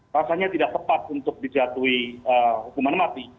rasanya tidak tepat untuk dijatuhi hukuman mati